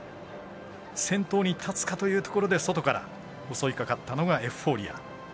先頭に立つかというところで外から襲いかかったのがエフフォーリア。